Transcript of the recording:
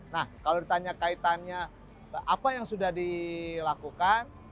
nah kalau ditanya kaitannya apa yang sudah dilakukan